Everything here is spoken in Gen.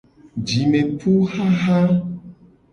Jimepuxaxa.